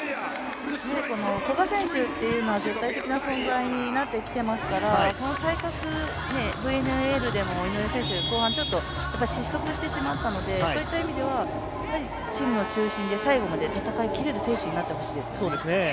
古賀選手というのは絶対的な存在になってきていますから、この対角、井上選手ＶＮＬで、後半、ちょっと失速してしまったのでそういう意味ではチームの中心で最後まで戦いきれる選手になってほしいですね。